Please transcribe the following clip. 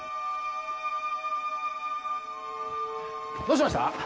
どうしました？